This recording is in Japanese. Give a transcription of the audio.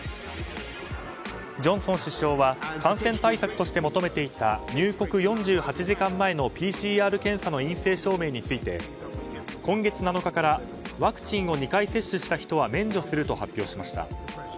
ジョンソン首相は感染対策として求めていた入国４８時間前のＰＣＲ検査の陰性証明について今月７日からワクチンを２回接種した人は免除すると発表しました。